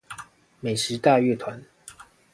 美食大樂團